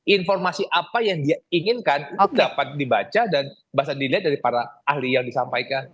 informasi apa yang dia inginkan itu dapat dibaca dan bisa dilihat dari para ahli yang disampaikan